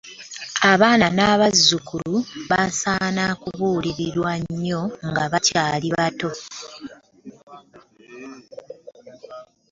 Abaana n'abazzukulu beetaaga kubuulirira nnyo nga bakyali bato.